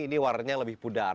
ini warnanya lebih pudar